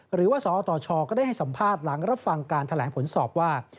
หรือว่าสอตชก็ได้ให้สัมภาษณ์หลังรับฟังการแถลงผลสอบว่า